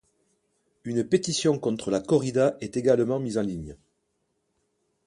Une pétition contre la corrida est également mise en ligne.